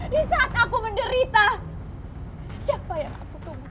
di saat aku menderita siapa yang aku tunggu